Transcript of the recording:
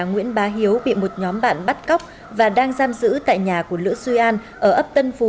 nguyễn bá hiếu bị một nhóm bạn bắt cóc và đang giam giữ tại nhà của lữ duy an ở ấp tân phú